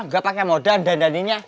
enggak pakai modal dan daninya